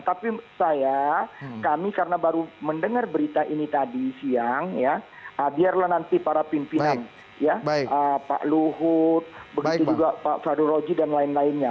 tapi saya kami karena baru mendengar berita ini tadi siang ya biarlah nanti para pimpinan pak luhut begitu juga pak fraduroji dan lain lainnya